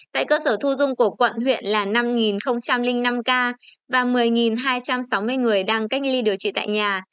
tại cơ sở thu dung của quận huyện là năm năm ca và một mươi hai trăm sáu mươi người đang cách ly điều trị tại nhà